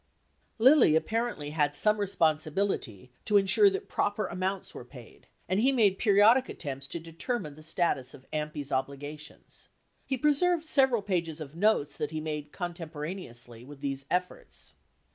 Lilly apparently had some re sponsibility to insure that proper amounts were paid, and he made periodic attempts to determine the status of AMPl's obligations. He preserved several pages of notes that he made contemporaneously with these efforts.